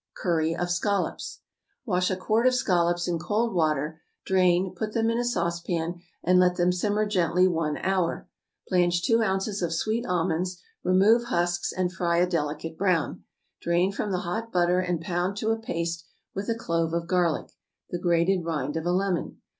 =Curry of Scallops.= Wash a quart of scallops in cold water, drain, put them in a saucepan, and let them simmer gently one hour. Blanch two ounces of sweet almonds, remove husks, and fry a delicate brown; drain from the hot butter, and pound to a paste with a clove of garlic, the grated rind of a lemon.